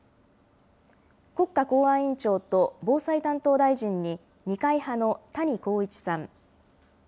国家公安委員長と防災担当大臣に二階派の谷公一さん。